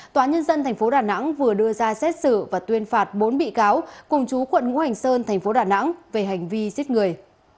tòa nhân dân tp đà nẵng vừa đưa ra xét xử và tuyên phạt bốn bị cáo cùng chú quận ngũ hành sơn thành phố đà nẵng về hành vi giết người